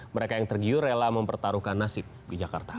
mereka yang tergiur rela mempertaruhkan nasib di jakarta